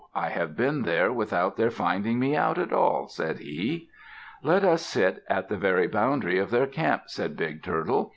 I have been there without their finding me out at all," said he. "Let us sit at the very boundary of their camp," said Big Turtle.